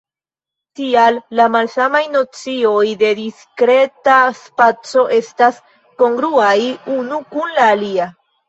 Tial, la malsamaj nocioj de diskreta spaco estas kongruaj unu kun la alia.